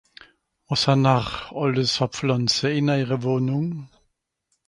wàs'han'r àlles hà Pflànze ìn eijere Wohnung